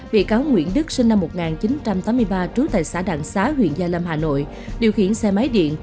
bị cáo nguyễn đức sinh năm một nghìn chín trăm tám mươi ba trú tại xã đặng xá huyện gia lâm hà nội điều khiển xe máy điện